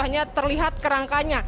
hanya terlihat kerangkanya